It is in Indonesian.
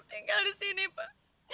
tinggal di sini pak